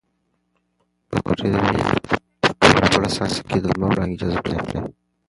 قمرۍ د ونې په تر ټولو لوړه څانګه کې د لمر وړانګې جذب کړې.